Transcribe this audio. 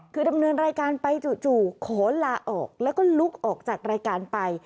คือดำเนินรายการไปจู่ขอลาออกแล้วก็ลุกออกจากรายการไป